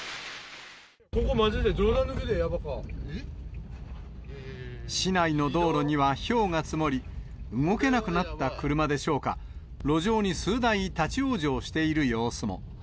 これ、市内の道路には、ひょうが積もり、動けなくなった車でしょうか、路上に数台立往生している様子も。